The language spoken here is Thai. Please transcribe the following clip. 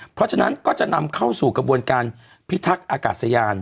เพราะฉะนั้นก็จะนำเข้าสู่กระบวนการพิทักษ์อากาศยาน